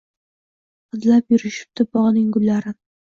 Hidlab yurishibdi bog’ning gullarin,» —